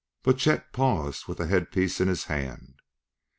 But Chet paused with the headpiece in his hand.